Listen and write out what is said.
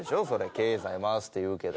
「経済回す」って言うけど。